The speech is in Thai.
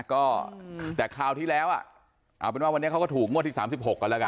ก็แต่คราวที่แล้วอ่ะเอาเป็นว่าวันนี้เขาก็ถูกงวดที่๓๖กันแล้วกัน